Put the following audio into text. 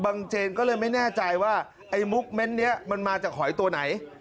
เจนก็เลยไม่แน่ใจว่าไอ้มุกเม้นนี้มันมาจากหอยตัวไหน